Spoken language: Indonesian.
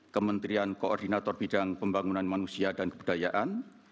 kementerian koordinator bidang pembangunan manusia dan kebudayaan